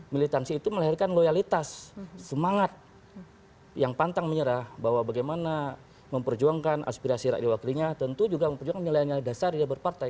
militansi itu melahirkan loyalitas semangat yang pantang menyerah bahwa bagaimana memperjuangkan aspirasi rakyat diwakilinya tentu juga memperjuangkan nilai nilai dasar dia berpartai